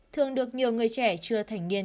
thường được nhiều người trẻ chưa thành niên